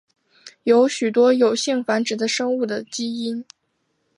在许多有性繁殖的生物的基因。